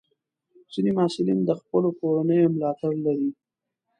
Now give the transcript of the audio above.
ځینې محصلین د خپلې کورنۍ ملاتړ لري.